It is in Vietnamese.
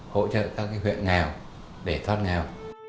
hỗ trợ các huyện nghèo để thoát nghèo